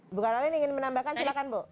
ibu karawin ingin menambahkan silakan bu